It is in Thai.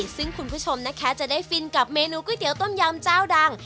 ซึ่งคุณผู้ชมนะคะจะได้ฟินกับเมนูก๋วยเตี๋ต้มยำเจ้าดัง